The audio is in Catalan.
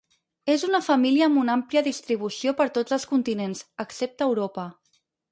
És una família amb una àmplia distribució per tots els continents, excepte Europa.